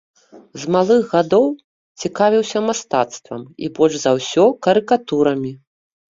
З малых гадоў цікавіўся мастацтвам і больш за ўсё карыкатурамі.